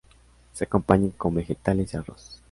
Se acompaña con vegetales y arroz.